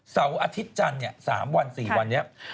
เสาร์อาทิตย์จันทร์เนี่ย๓วัน๔วันเนี่ย